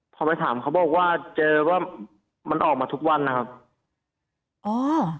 พอไปถามเขาบอกว่าเจอว่ามันออกมาทุกวันนะครับอ๋อ